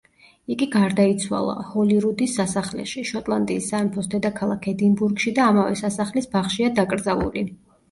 იგი გარდაიცვალა ჰოლირუდის სასახლეში, შოტლანდიის სამეფოს დედაქალაქ ედინბურგში და ამავე სასახლის ბაღშია დაკრძალული.